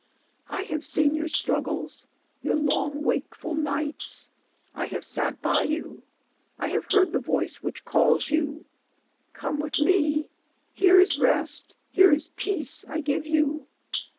I have seen your struggles, your long wakeful nights; I have sat by you. I have heard the voice which calls you. Come with me. Here is Rest, here is Peace I give you.